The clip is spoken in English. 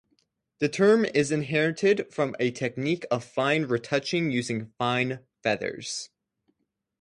The term is inherited from a technique of fine retouching using fine feathers.